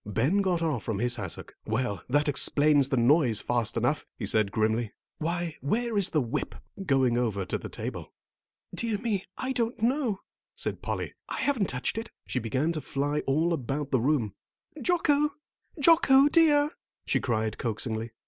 Ben got off from his hassock. "Well, that explains the noise fast enough," he said grimly. "Why, where is the whip?" going over to the table. "Dear me, I don't know," said Polly. "I haven't touched it," and she began to fly all about the room. "Jocko, Jocko dear," she cried coaxingly.